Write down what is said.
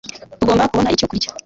Tugomba kubona icyo kurya